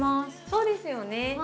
そうですよね。